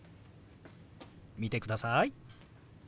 見てください。